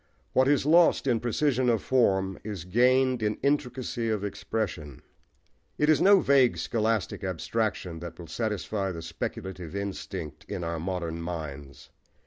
What is lost in precision of form is gained in intricacy of expression. It is no vague scholastic abstraction that will satisfy the speculative instinct in our modern minds.